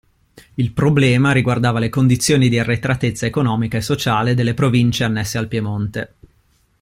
Il problema riguardava le condizioni di arretratezza economica e sociale delle province annesse al Piemonte.